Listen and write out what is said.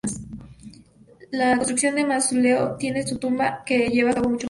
La construcción del mausoleo sobre su tumba se llevó a cabo mucho más tarde.